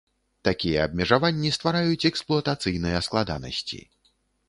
Такія абмежаванні ствараюць эксплуатацыйныя складанасці.